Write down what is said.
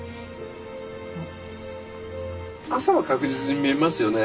朝は確実に見えますよね？